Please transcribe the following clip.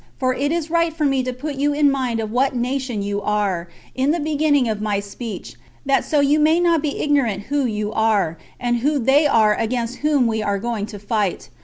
for it is right for me to put you in mind of what nation you are, in the beginning of my speech, that so you may not be ignorant who you are, and who they are against whom we are going to fight.